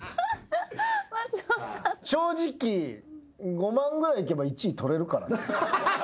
正直５万ぐらいいけば１位取れるから。